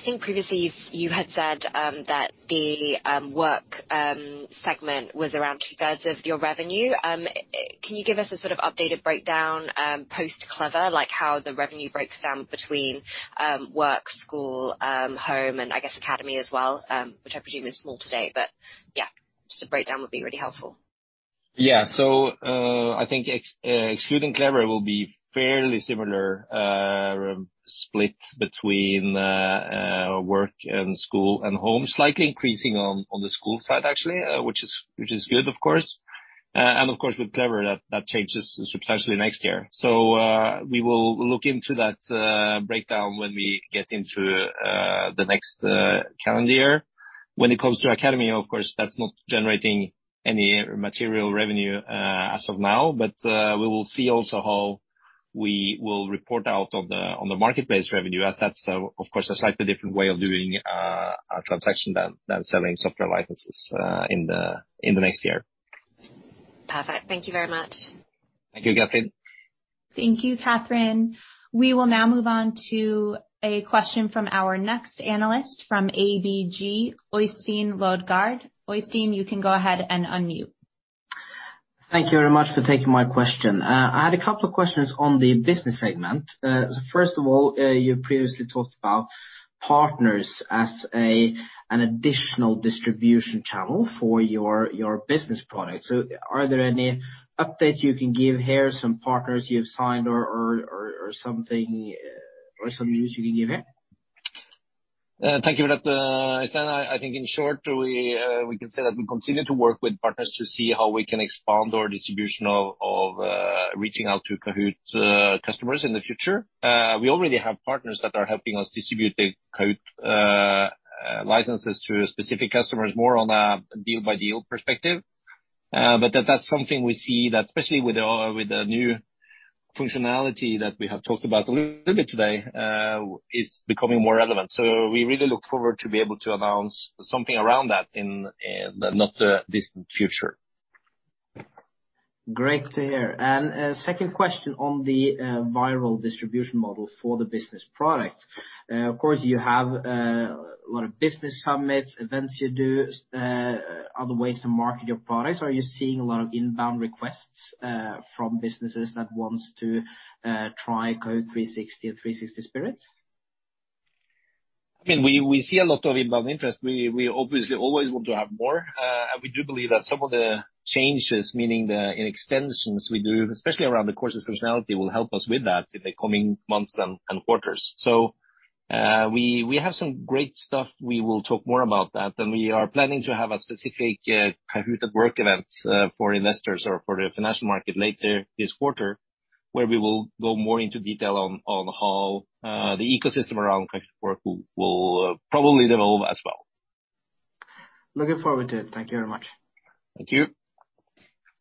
think previously you had said that the work segment was around two-thirds of your revenue. Can you give us a sort of updated breakdown, post Clever, like how the revenue breaks down between work, school, home, and I guess academy as well, which I presume is small today, but yeah, just a breakdown would be really helpful. I think excluding Clever will be fairly similar, split between work and school and home. Slightly increasing on the school side, actually, which is good of course. Of course with Clever that changes substantially next year. We will look into that breakdown when we get into the next calendar year. When it comes to Academy, of course, that's not generating any material revenue as of now. We will see also how we will report out on the Marketplace revenue, as that's of course a slightly different way of doing a transaction than selling software licenses in the next year. Perfect. Thank you very much. Thank you, Katherine. Thank you, Katherine. We will now move on to a question from our next analyst from ABG, Øystein Lodgaard. Øystein, you can go ahead and unmute. Thank you very much for taking my question. I had a couple of questions on the business segment. First of all, you previously talked about partners as an additional distribution channel for your business products. Are there any updates you can give here, some partners you've signed or something, or some news you can give here? Thank you for that, Øystein. I think in short, we can say that we continue to work with partners to see how we can expand our distribution of reaching out to Kahoot! customers in the future. We already have partners that are helping us distribute the Kahoot! licenses to specific customers, more on a deal-by-deal perspective. That's something we see that, especially with the new functionality that we have talked about a little bit today, is becoming more relevant. We really look forward to be able to announce something around that in the not distant future. Great to hear. A second question on the viral distribution model for the business product. Of course you have a lot of business summits, events you do, other ways to market your products. Are you seeing a lot of inbound requests from businesses that wants to try Kahoot! 360 and 360 Spirit? I mean, we see a lot of inbound interest. We obviously always want to have more. We do believe that some of the changes, meaning the in extensions we do, especially around the courses functionality, will help us with that in the coming months and quarters. We have some great stuff. We will talk more about that. We are planning to have a specific Kahoot! at Work event for investors or for the financial market later this quarter, where we will go more into detail on how the ecosystem around Kahoot! at Work will probably develop as well. Looking forward to it. Thank you very much. Thank you.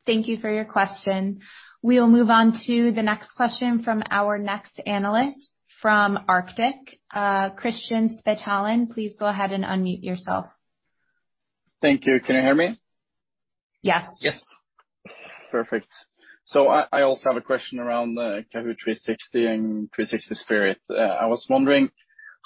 Thank you for your question. We'll move on to the next question from our next analyst from Arctic, Kristian Spetalen. Please go ahead and unmute yourself. Thank you. Can you hear me? Yes. Yes. Perfect. I also have a question around the Kahoot! 360 and 360 Spirit. I was wondering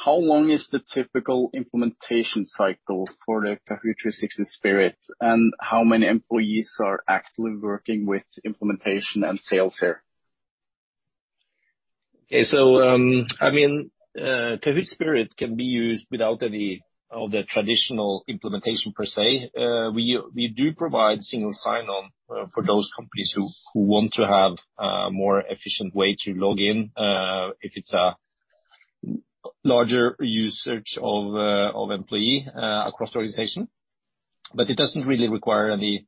how long is the typical implementation cycle for the Kahoot! 360 Spirit, and how many employees are actually working with implementation and sales there? Okay, I mean, Kahoot! 360 Spirit can be used without any of the traditional implementation per se. We do provide single sign-on for those companies who want to have a more efficient way to log in if it's a larger usage of employees across the organization. It doesn't really require any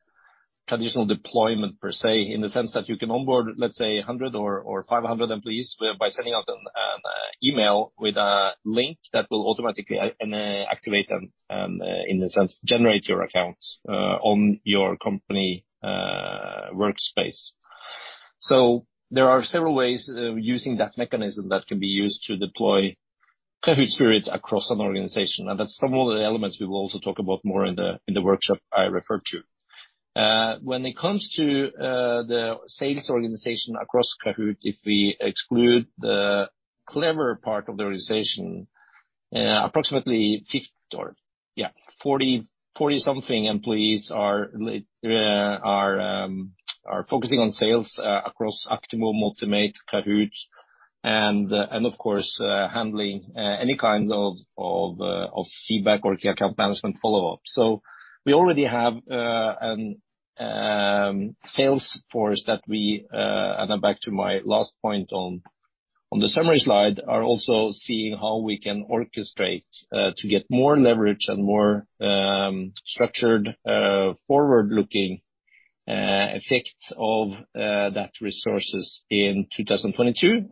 traditional deployment per se in the sense that you can onboard, let's say 100 or 500 employees by sending out an email with a link that will automatically and activate and in a sense generate your account on your company workspace. There are several ways of using that mechanism that can be used to deploy Kahoot! 360 Spirit across an organization. That's some of the elements we will also talk about more in the workshop I referred to. When it comes to the sales organization across Kahoot!, if we exclude the Clever part of the organization, approximately 40-something employees are focusing on sales across Actimo, Motimate, Kahoot!, and of course handling any kinds of feedback or key account management follow up. We already have sales force that we and then back to my last point on the summary slide are also seeing how we can orchestrate to get more leverage and more structured forward-looking effects of that resources in 2022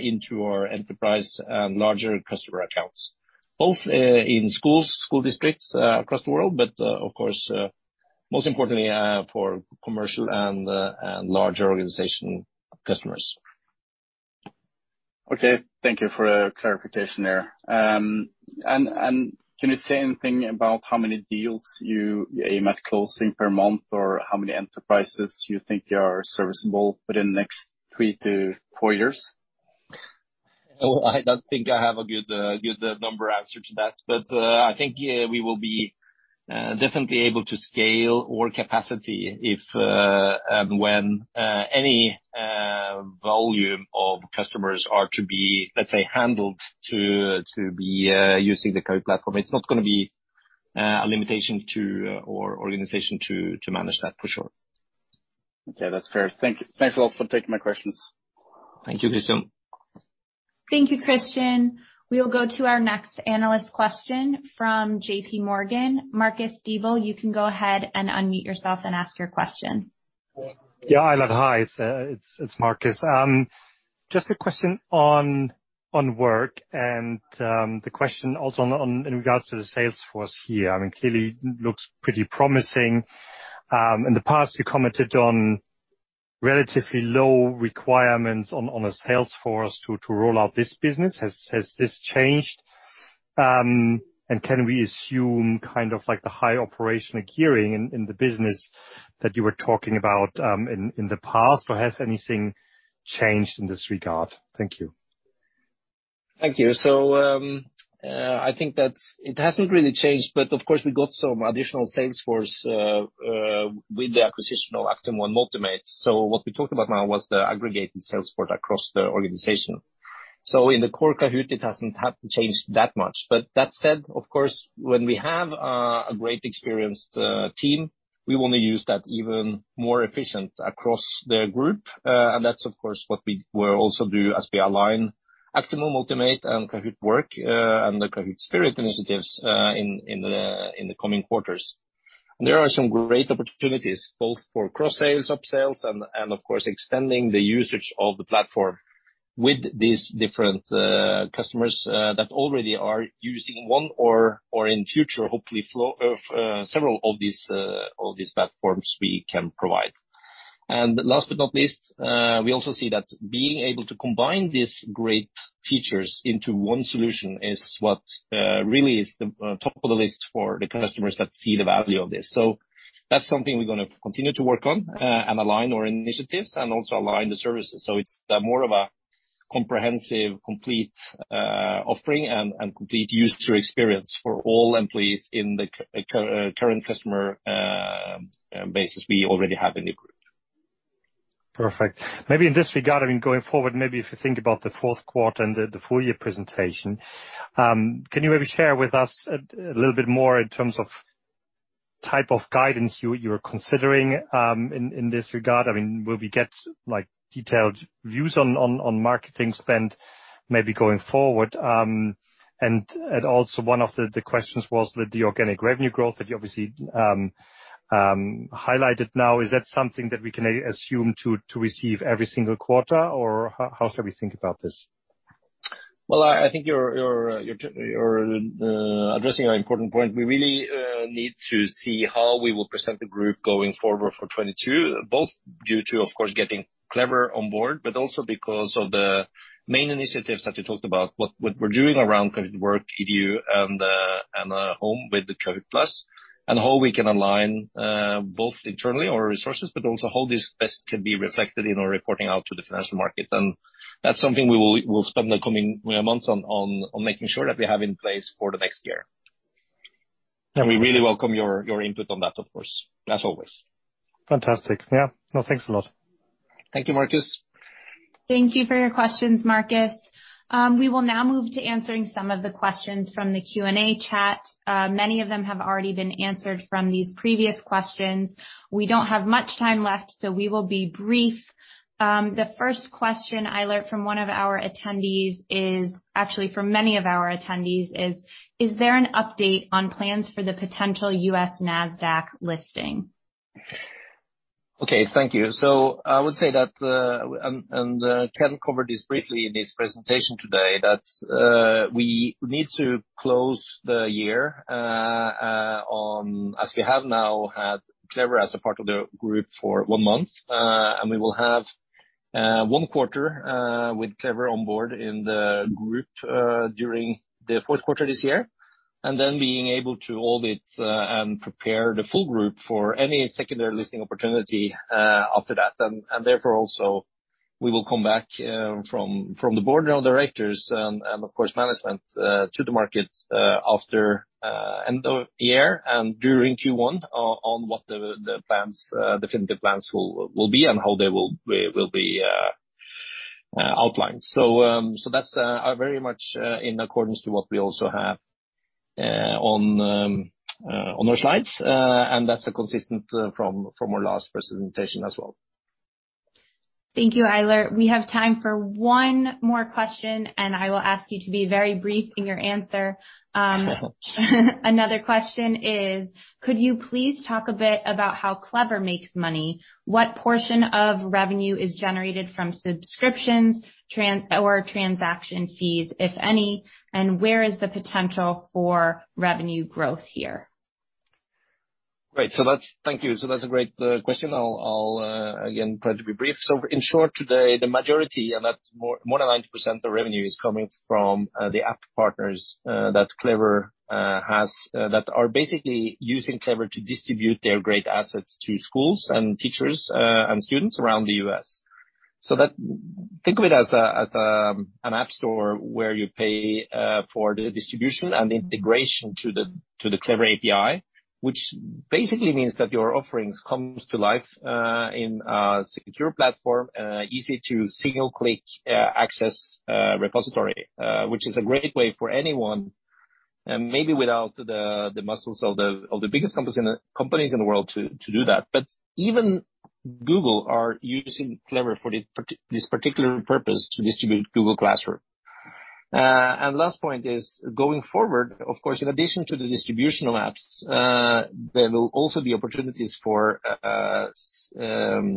into our enterprise and larger customer accounts. Both in schools, school districts across the world, but of course most importantly for commercial and larger organization customers. Okay. Thank you for the clarification there. Can you say anything about how many deals you aim at closing per month or how many enterprises you think are serviceable within the next 3-4 years? Oh, I don't think I have a good number answer to that. I think we will be definitely able to scale our capacity if and when any volume of customers are to be, let's say, handled to be using the Kahoot! platform. It's not gonna be a limitation to our organization to manage that for sure. Okay, that's fair. Thank you. Thanks a lot for taking my questions. Thank you, Kristian. Thank you, Kristian. We'll go to our next analyst question from JPMorgan. Marcus Diebel, you can go ahead and unmute yourself and ask your question. Yeah, Eilert, hi. It's Marcus. Just a question on Work and the question also on in regards to the sales force here. I mean, clearly looks pretty promising. In the past you commented on relatively low requirements on a sales force to roll out this business. Has this changed? And can we assume kind of like the high operational gearing in the business that you were talking about in the past, or has anything changed in this regard? Thank you. Thank you. I think that it hasn't really changed, but of course we got some additional sales force with the acquisition of Actimo and Motimate. What we talked about now was the aggregated sales force across the organization. In the core Kahoot!, it hasn't had to change that much. That said, of course, when we have a great experienced team, we wanna use that even more efficient across the group. And that's of course what we will also do as we align Actimo, Motimate and Kahoot! at Work, and the Kahoot! 360 Spirit initiatives in the coming quarters. There are some great opportunities both for cross sales, up-sales and, of course, extending the usage of the platform with these different customers that already are using one or, in future, hopefully flow of several of these platforms we can provide. Last but not least, we also see that being able to combine these great features into one solution is what really is the top of the list for the customers that see the value of this. That's something we're gonna continue to work on and align our initiatives and also align the services. It's more of a comprehensive, complete offering and complete user experience for all employees in the current customer base we already have in the group. Perfect. Maybe in this regard, I mean, going forward, maybe if you think about the fourth quarter and the full year presentation, can you maybe share with us a little bit more in terms of type of guidance you're considering in this regard? I mean, will we get, like, detailed views on marketing spend maybe going forward? Also one of the questions was with the organic revenue growth that you obviously highlighted now, is that something that we can assume to receive every single quarter or how should we think about this? Well, I think you're addressing an important point. We really need to see how we will present the group going forward for 2022, both due to, of course, getting Clever on board, but also because of the main initiatives that we talked about. What we're doing around Kahoot! at Work, EDU, and home with the Kahoot!+, and how we can align both internally our resources, but also how this best can be reflected in our reporting out to the financial market. That's something we'll spend the coming months on making sure that we have in place for the next year. We really welcome your input on that, of course, as always. Fantastic. Yeah. No, thanks a lot. Thank you, Marcus. Thank you for your questions, Marcus. We will now move to answering some of the questions from the Q&A chat. Many of them have already been answered from these previous questions. We don't have much time left, so we will be brief. The first question, Eilert, from many of our attendees is: Is there an update on plans for the potential U.S. Nasdaq listing? Okay, thank you. I would say that Ken covered this briefly in his presentation today, that we need to close the year as we have now had Clever as a part of the group for one month. We will have one quarter with Clever on board in the group during the fourth quarter this year. Being able to audit and prepare the full group for any secondary listing opportunity after that. Therefore also, we will come back from the board of directors and of course management to the market after end of year and during Q1 on what the plans definitive plans will be and how they will be outlined. That's very much in accordance to what we also have on our slides. That's consistent from our last presentation as well. Thank you, Eilert. We have time for one more question, and I will ask you to be very brief in your answer. Another question is: Could you please talk a bit about how Clever makes money? What portion of revenue is generated from subscriptions, or transaction fees, if any, and where is the potential for revenue growth here? Great. That's a great question. I'll again try to be brief. In short, today, the majority, and that's more than 90% of revenue is coming from the app partners that Clever has that are basically using Clever to distribute their great assets to schools and teachers and students around the U.S. That. Think of it as an app store where you pay for the distribution and integration to the Clever API, which basically means that your offerings comes to life in a secure platform easy to single-click access repository, which is a great way for anyone maybe without the muscles of the biggest companies in the world to do that. Even Google are using Clever for this part, this particular purpose, to distribute Google Classroom. Last point is, going forward, of course, in addition to the distribution of apps, there will also be opportunities for the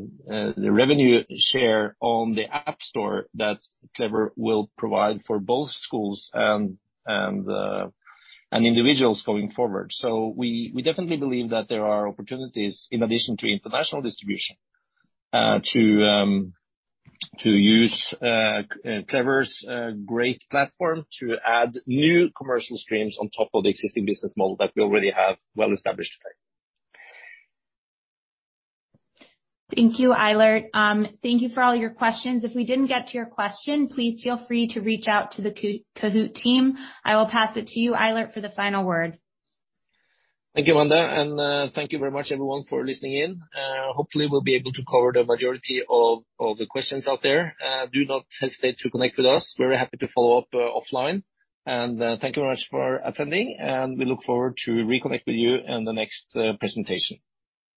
revenue share on the App Store that Clever will provide for both schools and individuals going forward. We definitely believe that there are opportunities, in addition to international distribution, to use Clever's great platform to add new commercial streams on top of the existing business model that we already have well established today. Thank you, Eilert. Thank you for all your questions. If we didn't get to your question, please feel free to reach out to the Kahoot! team. I will pass it to you, Eilert, for the final word. Thank you, Amanda. Thank you very much everyone for listening in. Hopefully we'll be able to cover the majority of the questions out there. Do not hesitate to connect with us. Very happy to follow up offline. Thank you very much for attending, and we look forward to reconnect with you in the next presentation.